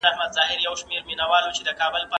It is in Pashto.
زه به سبا شګه پاک کړم!